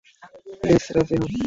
Please রাজি হোন।